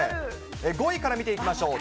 ５位から見ていきましょう。